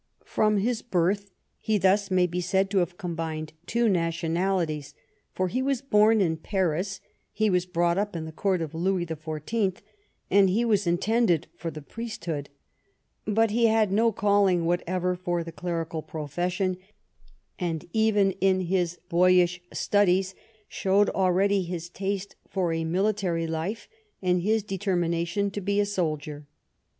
From his birth he thus may be said to have combined two nationalities, for he was bom in Paris, he was brought up in the court of Louis the Fourteenth, and he was intended for the priest hood; but he had no calling whatever for the clerical profession, and even in his boyish studies showed al ready his taste for a military life and his determination to be a soldier.